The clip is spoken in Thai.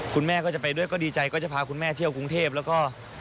คุณแม่ก็จะไปด้วยก็ดีใจก็จะพาคุณแม่เที่ยวกรุงเทพแล้วก็